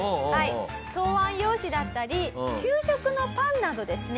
答案用紙だったり給食のパンなどですね